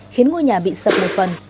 khiến ngôi nhà bị sập một phần